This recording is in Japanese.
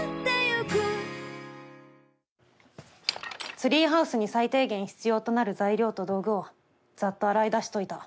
ツリーハウスに最低限必要となる材料と道具をざっと洗い出しといた。